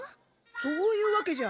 そういうわけじゃ。